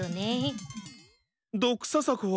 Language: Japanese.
ドクササコは。